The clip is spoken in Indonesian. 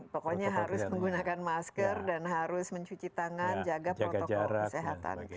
pokoknya harus menggunakan masker dan harus mencuci tangan jaga protokol kesehatan